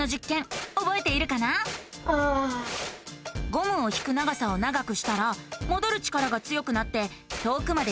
ゴムを引く長さを長くしたらもどる力が強くなって遠くまでうごいたよね。